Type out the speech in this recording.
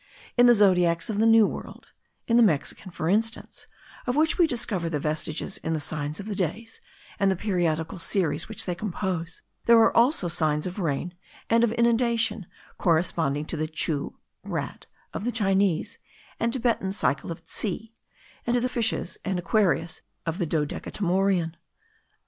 In the zodiacs of the New World in the Mexican, for instance, of which we discover the vestiges in the signs of the days, and the periodical series which they compose there are also signs of rain and of inundation corresponding to the Chou (Rat) of the Chinese* and Thibetan cycle of Tse, and to the Fishes and Aquarius of the dodecatemorion.